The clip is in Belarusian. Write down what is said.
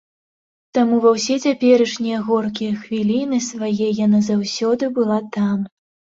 Таму ва ўсе цяперашнія горкія хвіліны свае яна заўсёды была там.